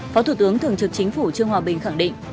phó thủ tướng thường trực chính phủ trương hòa bình khẳng định